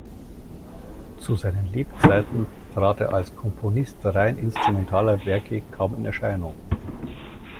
Zu seinen Lebzeiten trat er als Komponist rein instrumentaler Werke kaum in Erscheinung.